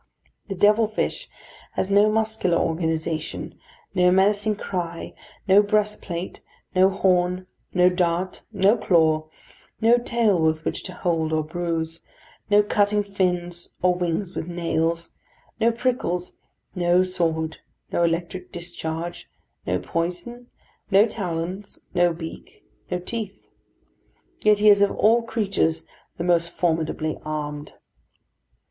The devil fish has no muscular organisation, no menacing cry, no breastplate, no horn, no dart, no claw, no tail with which to hold or bruise; no cutting fins, or wings with nails, no prickles, no sword, no electric discharge, no poison, no talons, no beak, no teeth. Yet he is of all creatures the most formidably armed.